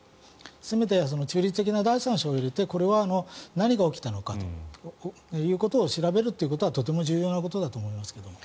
せめて中立的な第三者を入れてこれは何が起きたのかということを調べるということはとても重要なことだと思いますけど。